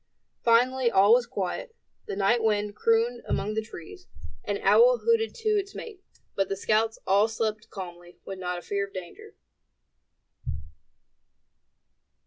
Finally all was quiet. The night wind crooned among the trees; an owl hooted to its mate; but the scouts all slept calmly, with not a fear of danger.